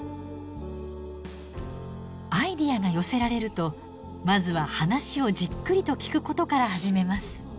アイデアが寄せられるとまずは話をじっくりと聞くことから始めます。